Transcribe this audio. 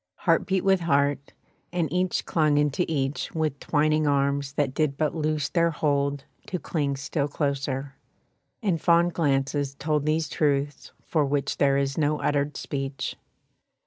Heart beat with heart, and each clung into each With twining arms that did but loose their hold To cling still closer; and fond glances told These truths for which there is no uttered speech.